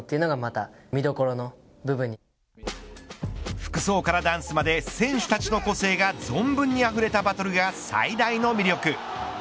服装からダンスまで選手たちの個性が存分にあふれたバトルが最大の魅力。